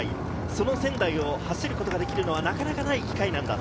その仙台を走ることができるのはなかなかない機会なんだ。